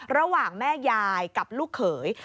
ระหว่างแม่ยายกับลูกเขย